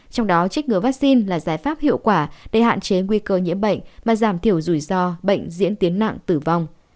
trong đó chích ngừa vaccine là giải pháp hiệu quả để hạn chế nguy cơ nhiễm bệnh và giảm thiểu rủi ro bệnh diễn tiến nặng tử vong